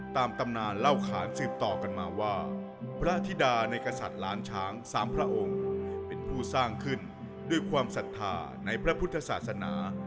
ตำนานเล่าขานสืบต่อกันมาว่าพระธิดาในกษัตริย์ล้านช้างสามพระองค์เป็นผู้สร้างขึ้นด้วยความศรัทธาในพระพุทธศาสนา